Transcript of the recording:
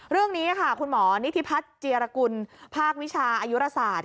เรื่องนี้ค่ะคุณหมอนิธิพัฒน์เจียรกุลภาควิชาอายุราศาสตร์